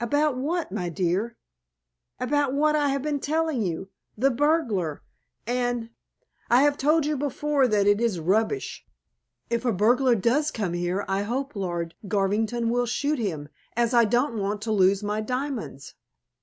"About what, my dear?" "About what I have been telling you. The burglar, and " "I have told you before, that it is rubbish. If a burglar does come here I hope Lord Garvington will shoot him, as I don't want to lose my diamonds."